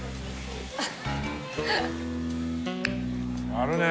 やるね。